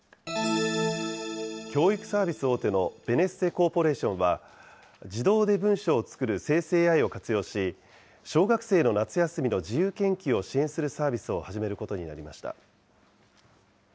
教育サービス大手のベネッセコーポレーションは自動で文章を作る生成ＡＩを活用し、小学生の夏休みの自由研究を支援するサービスを始めることになりました。